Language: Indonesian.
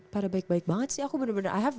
pada baik baik banget sih aku bener bener i have